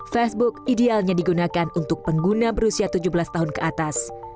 facebook idealnya digunakan untuk pengguna berusia tujuh belas tahun ke atas